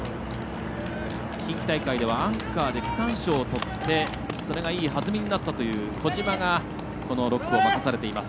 近畿大会ではアンカーで区間賞をとってそれがいいはずみになったという児島がこの６区を任されています。